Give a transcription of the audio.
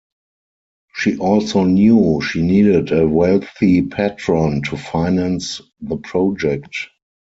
She also knew she needed a wealthy patron to finance the project.